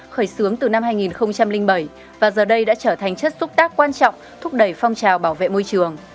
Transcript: khởi xướng từ năm hai nghìn bảy và giờ đây đã trở thành chất xúc tác quan trọng thúc đẩy phong trào bảo vệ môi trường